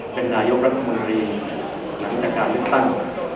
เป็นนายกรัฐควรรีนับขันการเลือกตั้ง